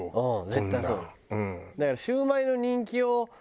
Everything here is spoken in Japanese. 絶対そう。